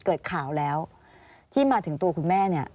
เกิดข่าวแล้วที่มาถึงตัวคุณแม่เนี่ย